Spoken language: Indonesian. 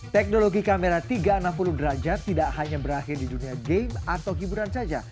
teknologi kamera tiga ratus enam puluh derajat tidak hanya berakhir di dunia game atau hiburan saja